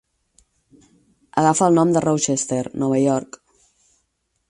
Agafa el nom de Rochester, Nova York.